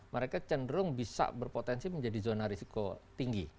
mereka cenderung bisa berpotensi menjadi zona risiko tinggi